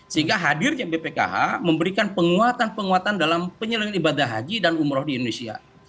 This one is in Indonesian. sehingga hadir bpkh memberikan penguatan dalam penyelenggaraan ibadah haji dan umroh di indonesia